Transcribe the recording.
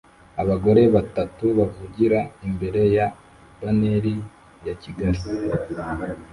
Abagore batatu bavugira imbere ya banneri yakigali